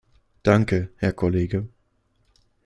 Danke, Herr Kollege.